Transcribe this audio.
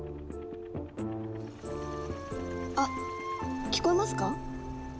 あっ聞こえますか？